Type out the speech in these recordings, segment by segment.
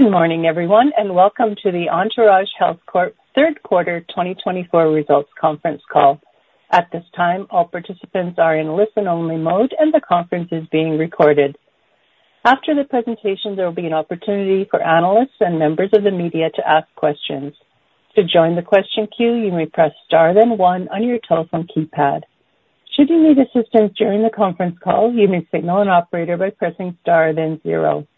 Good morning, everyone, and welcome to the Entourage Health Corp. third quarter 2024 results conference call. At this time, all participants are in listen-only mode, and the conference is being recorded. After the presentation, there will be an opportunity for analysts and members of the media to ask questions. To join the question queue, you may press star then one on your telephone keypad. Should you need assistance during the conference call, you may signal an operator by pressing star then zero.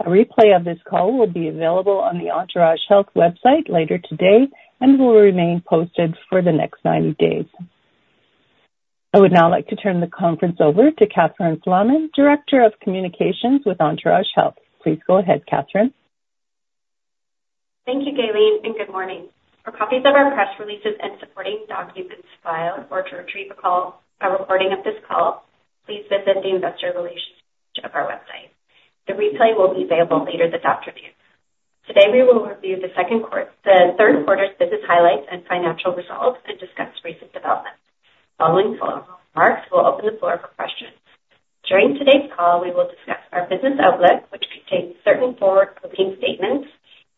A replay of this call will be available on the Entourage Health website later today and will remain posted for the next 90 days. I would now like to turn the conference over to Catherine Flaman, Director of Communications with Entourage Health. Please go ahead, Catherine. Thank you, Gaylene, and good morning. For copies of our press releases and supporting documents filed or to retrieve a recording of this call, please visit the investor relations page of our website. The replay will be available later this afternoon. Today, we will review the third quarter's business highlights and financial results and discuss recent developments. Following the remarks, we'll open the floor for questions. During today's call, we will discuss our business outlook, which contains certain forward-looking statements.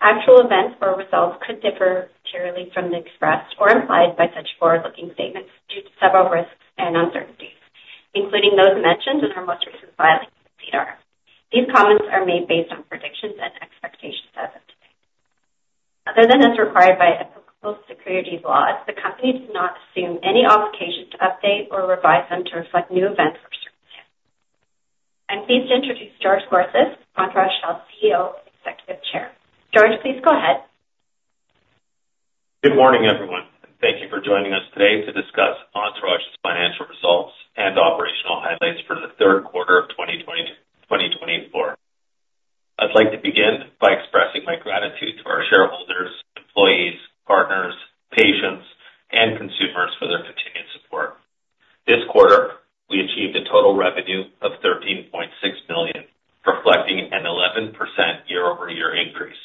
Actual events or results could differ materially from the expressed or implied by such forward-looking statements due to several risks and uncertainties, including those mentioned in our most recent filing, SEDAR. These comments are made based on predictions and expectations as of today. Other than as required by applicable securities laws, the company does not assume any obligation to update or revise them to reflect new events or circumstances. I'm pleased to introduce George Scorsis, Entourage Health CEO and Executive Chair. George, please go ahead. Good morning, everyone, and thank you for joining us today to discuss Entourage's financial results and operational highlights for the third quarter of 2024. I'd like to begin by expressing my gratitude to our shareholders, employees, partners, patients, and consumers for their continued support. This quarter, we achieved a total revenue of CAD 13.6 million, reflecting an 11% year-over-year increase.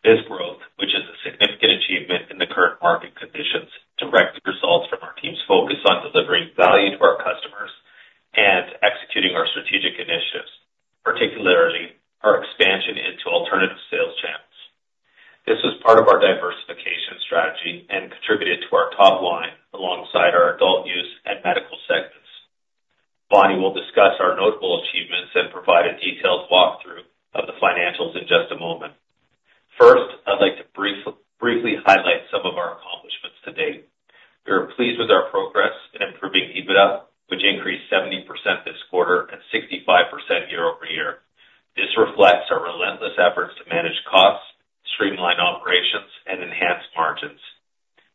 This growth, which is a significant achievement in the current market conditions, directly results from our team's focus on delivering value to our customers and executing our strategic initiatives, particularly our expansion into alternative sales channels. This was part of our diversification strategy and contributed to our top line alongside our adult use and medical segments. Vaani will discuss our notable achievements and provide a detailed walkthrough of the financials in just a moment.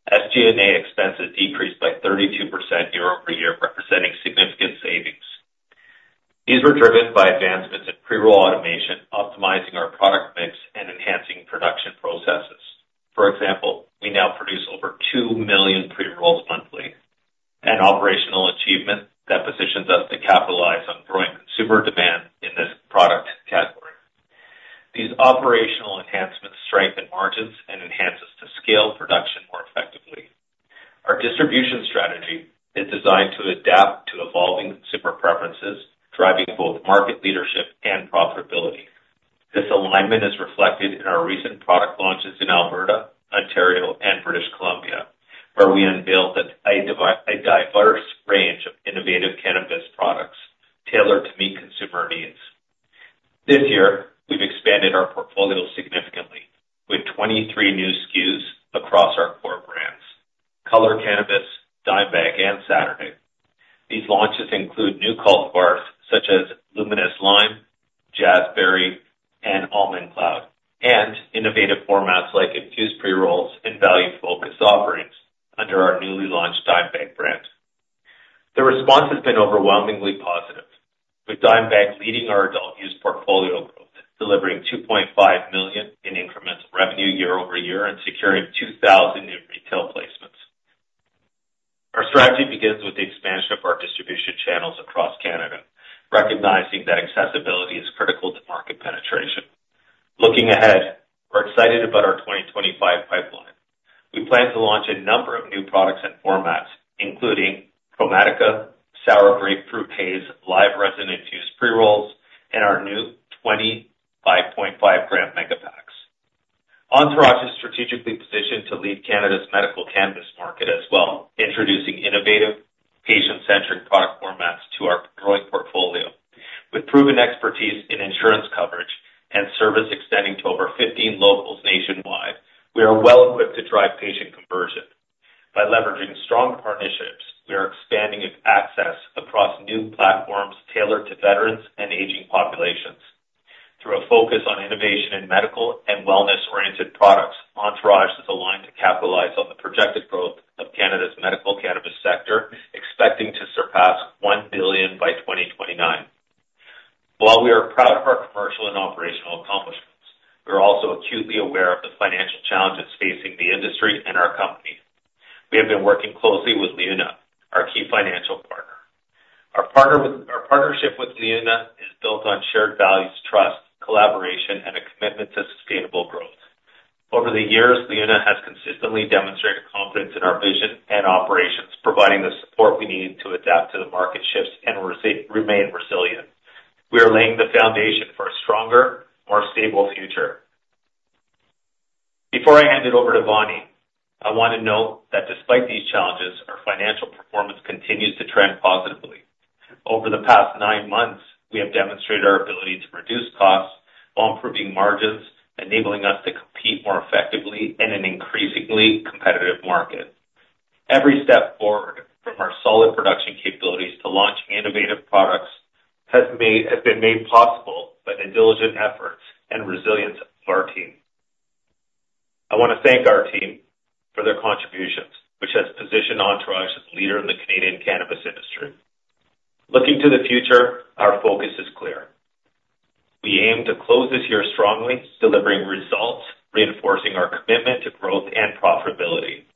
First, I'd like to briefly highlight some of our accomplishments to date. We are pleased with our progress in improving EBITDA, which increased 70% this quarter and 65% year-over-year. This reflects our relentless efforts to manage costs, streamline operations, and enhance margins. SG&A expenses decreased by 32% year-over-year, representing significant savings. These were driven by advancements in pre-roll automation, optimizing our product mix, and enhancing production processes. For example, we now produce over two million pre-rolls monthly, an operational achievement that positions us to capitalize on growing consumer demand in this product category. These operational enhancements strengthen margins and enable us to scale production more effectively. Our distribution strategy is designed to adapt to evolving consumer preferences, driving both market leadership and profitability. This alignment is reflected in our recent product launches in Alberta, Ontario, and British Columbia, where we unveiled a diverse range of innovative cannabis products tailored to meet consumer needs. This year, we've expanded our portfolio significantly, with 23 new SKUs across our core brands: Color Cannabis, Dimebag, and Saturday. These launches include new cultivars such as Luminous Lime, Jazzberry, and Almond Cloud, and innovative formats like infused pre-rolls and value-focused offerings under our newly launched Dimebag brand. The response has been overwhelmingly positive, with Dimebag leading our adult use portfolio growth, delivering 2.5 million in incremental revenue year-over-year and securing 2,000 new retail placements. Our strategy begins with the expansion of our distribution channels across Canada, recognizing that accessibility is critical to market penetration. Looking ahead, we're excited about our 2025 pipeline. We plan to launch a number of new products and formats, including Chromatica, Sour Grapefruit Haze, Live Resin Infused Pre-rolls, and our new 25.5 gram mega packs. Entourage is strategically positioned to lead Canada's medical cannabis market as well, introducing innovative, patient-centric product formats to our growing portfolio. With proven expertise in insurance coverage and service extending to over 15 locals nationwide, we are well equipped to drive patient conversion. By leveraging strong partnerships, we are expanding access across new platforms tailored to veterans and aging populations. Through a focus on innovation in medical and wellness-oriented products, Entourage is aligned to capitalize on the projected growth of Canada's medical cannabis sector, expecting to surpass 1 billion by 2029. While we are proud of our commercial and operational accomplishments, we are also acutely aware of the financial challenges facing the industry and our company. We have been working closely with LiUNA, our key financial partner. Our partnership with LiUNA is built on shared values, trust, collaboration, and a commitment to sustainable growth. Over the years, LiUNA has consistently demonstrated confidence in our vision and operations, providing the support we need to adapt to the market shifts and remain resilient. We are laying the foundation for a stronger, more stable future. Before I hand it over to Vaani, I want to note that despite these challenges, our financial performance continues to trend positively. Over the past nine months, we have demonstrated our ability to reduce costs while improving margins, enabling us to compete more effectively in an increasingly competitive market. Every step forward from our solid production capabilities to launching innovative products has been made possible by the diligent efforts and resilience of our team. I want to thank our team for their contributions, which has positioned Entourage as a leader in the Canadian cannabis industry. Looking to the future, our focus is clear. We aim to close this year strongly, delivering results, reinforcing our commitment to growth and profitability.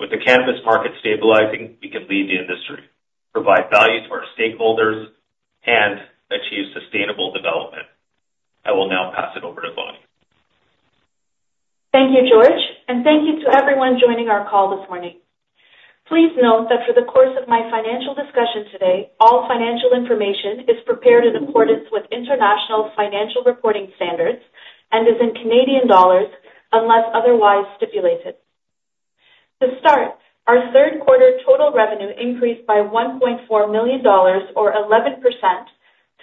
With the cannabis market stabilizing, we can lead the industry, provide value to our stakeholders, and achieve sustainable development. I will now pass it over to Vaani. Thank you, George, and thank you to everyone joining our call this morning. Please note that for the course of my financial discussion today, all financial information is prepared in accordance with International Financial Reporting Standards and is in Canadian dollars unless otherwise stipulated. To start, our third quarter total revenue increased by 1.4 million dollars, or 11%,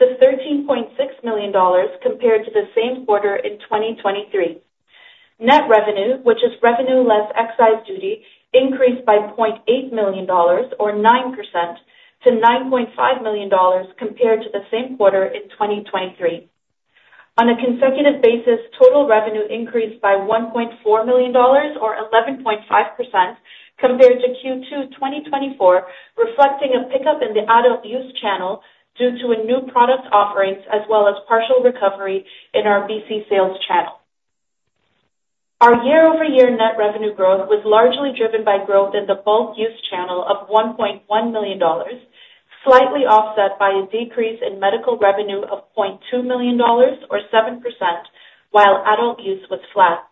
to 13.6 million dollars compared to the same quarter in 2023. Net revenue, which is revenue less excise duty, increased by 0.8 million dollars, or 9%, to 9.5 million dollars compared to the same quarter in 2023. On a consecutive basis, total revenue increased by 1.4 million dollars, or 11.5%, compared to Q2 2024, reflecting a pickup in the adult use channel due to new product offerings as well as partial recovery in our BC sales channel. Our year-over-year net revenue growth was largely driven by growth in the bulk use channel of 1.1 million dollars, slightly offset by a decrease in medical revenue of 0.2 million dollars, or 7%, while adult use was flat.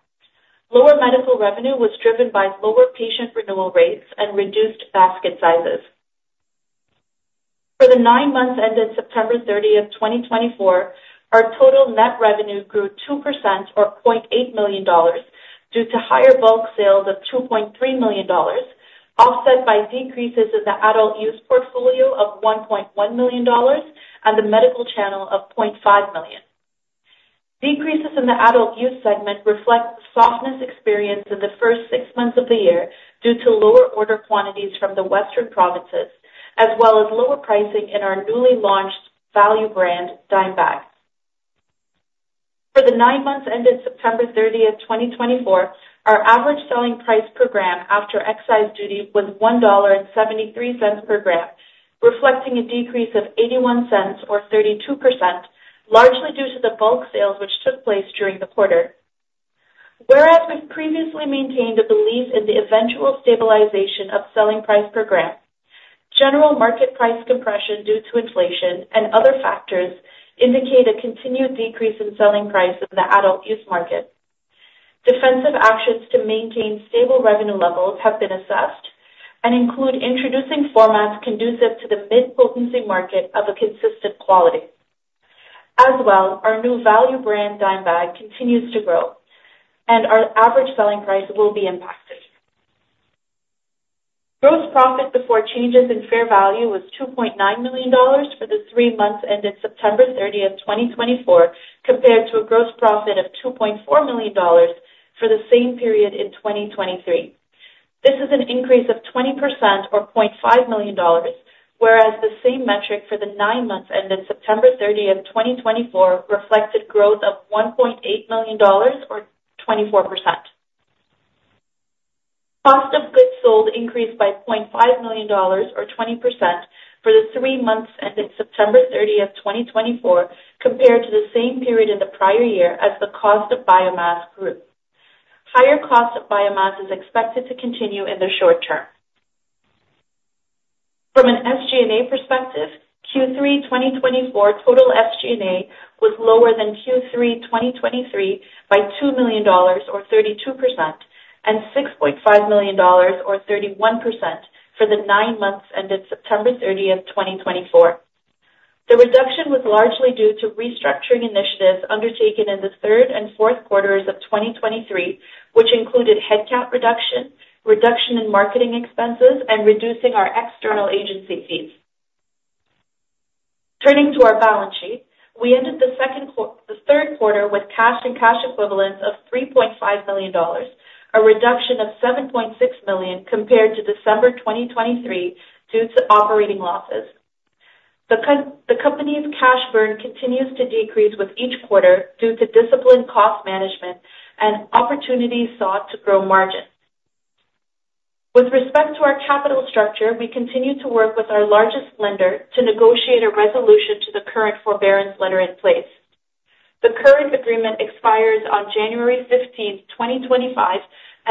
Lower medical revenue was driven by lower patient renewal rates and reduced basket sizes. For the nine months ended September 30th, 2024, our total net revenue grew 2%, or 0.8 million dollars, due to higher bulk sales of 2.3 million dollars, offset by decreases in the adult use portfolio of 1.1 million dollars and the medical channel of 0.5 million. Decreases in the adult use segment reflect the softness experienced in the first six months of the year due to lower order quantities from the western provinces, as well as lower pricing in our newly launched value brand, Dimebag. For the nine months ended September 30th, 2024, our average selling price per gram after excise duty was 1.73 dollar per gram, reflecting a decrease of 0.81, or 32%, largely due to the bulk sales which took place during the quarter. Whereas we've previously maintained a belief in the eventual stabilization of selling price per gram, general market price compression due to inflation and other factors indicate a continued decrease in selling price of the adult use market. Defensive actions to maintain stable revenue levels have been assessed and include introducing formats conducive to the mid-potency market of a consistent quality. As well, our new value brand, Dimebag, continues to grow, and our average selling price will be impacted. Gross profit before changes in fair value was 2.9 million dollars for the three months ended September 30, 2024, compared to a gross profit of 2.4 million dollars for the same period in 2023. This is an increase of 20%, or $0.5 million, whereas the same metric for the nine months ended September 30th, 2024, reflected growth of $1.8 million, or 24%. Cost of goods sold increased by $0.5 million, or 20%, for the three months ended September 30th, 2024, compared to the same period in the prior year as the cost of biomass grew. Higher cost of biomass is expected to continue in the short term. From an SG&A perspective, Q3 2024 total SG&A was lower than Q3 2023 by $2 million, or 32%, and $6.5 million, or 31%, for the nine months ended September 30th, 2024. The reduction was largely due to restructuring initiatives undertaken in the third and fourth quarters of 2023, which included headcount reduction, reduction in marketing expenses, and reducing our external agency fees. Turning to our balance sheet, we ended the third quarter with cash and cash equivalents of 3.5 million dollars, a reduction of 7.6 million compared to December 2023 due to operating losses. The company's cash burn continues to decrease with each quarter due to disciplined cost management and opportunities sought to grow margins. With respect to our capital structure, we continue to work with our largest lender to negotiate a resolution to the current forbearance letter in place. The current agreement expires on January 15, 2025,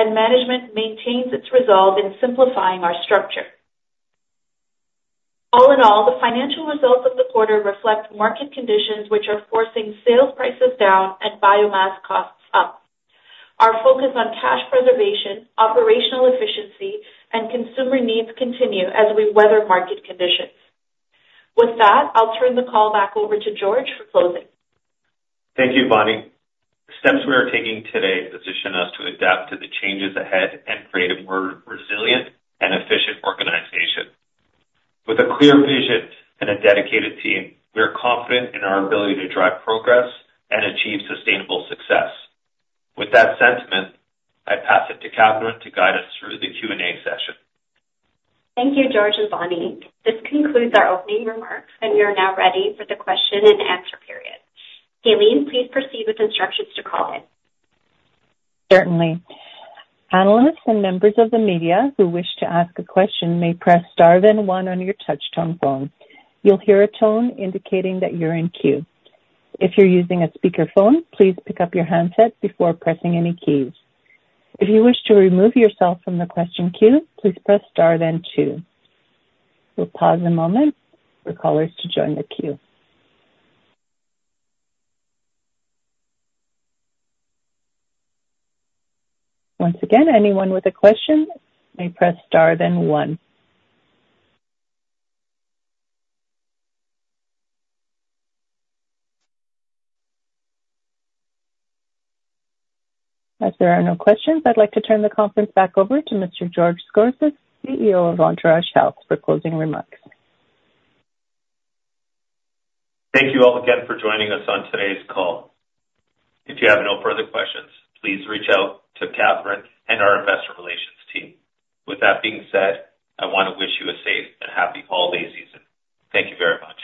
and management maintains its resolve in simplifying our structure. All in all, the financial results of the quarter reflect market conditions which are forcing sales prices down and biomass costs up. Our focus on cash preservation, operational efficiency, and consumer needs continue as we weather market conditions. With that, I'll turn the call back over to George for closing. Thank you, Vaani. The steps we are taking today position us to adapt to the changes ahead and create a more resilient and efficient organization. With a clear vision and a dedicated team, we are confident in our ability to drive progress and achieve sustainable success. With that sentiment, I pass it to Catherine to guide us through the Q&A session. Thank you, George and Vaani. This concludes our opening remarks, and we are now ready for the question and answer period. Gaylene, please proceed with instructions to call in. Certainly. Panelists and members of the media who wish to ask a question may press star then one on your touch-tone phone. You'll hear a tone indicating that you're in queue. If you're using a speakerphone, please pick up your handset before pressing any keys. If you wish to remove yourself from the question queue, please press star then two. We'll pause a moment for callers to join the queue. Once again, anyone with a question may press star then one. As there are no questions, I'd like to turn the conference back over to Mr. George Scorsis, CEO of Entourage Health, for closing remarks. Thank you all again for joining us on today's call. If you have no further questions, please reach out to Catherine and our investor relations team. With that being said, I want to wish you a safe and happy holiday season. Thank you very much.